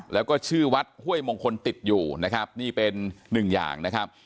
แล้วก็ชื่อวัดห้วยมงคลติดอยู่นะครับนี่เป็นหนึ่งอย่างนะครับ